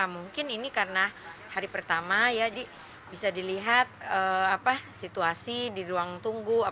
mungkin ini karena hari pertama ya bisa dilihat situasi di ruang tunggu